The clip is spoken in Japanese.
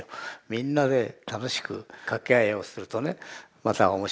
みんなで楽しく掛け合いをするとねまた面白くなってくるでしょ。